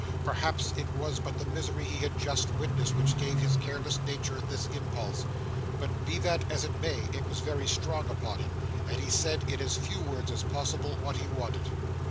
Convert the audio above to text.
Perhaps it was but the misery he had just witnessed which gave his careless nature this impulse; but, be that as it may, it was very strong upon him, and he said in as few words as possible, what he wanted.